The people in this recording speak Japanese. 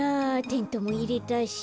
テントもいれたし。